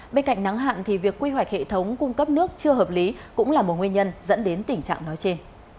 bên cạnh nắng hạn thì việc quy hoạch hệ thống cung cấp nước chưa hợp lý cũng là một nguyên nhân dẫn đến tình trạng nói trên